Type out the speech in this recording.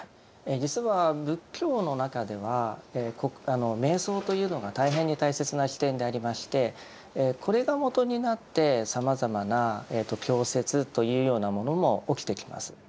実は仏教の中では瞑想というのが大変に大切な起点でありましてこれが基になってさまざまな教説というようなものも起きてきます。